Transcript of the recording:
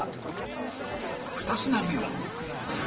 ２品目は